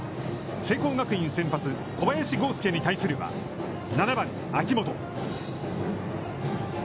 聖光学院先発、小林剛介に対するは７番秋元。